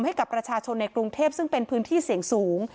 ให้กับประชาชนในกรุงเทพซึ่งเป็นพื้นที่เสี่ยงสูง